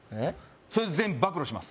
それ全部暴露します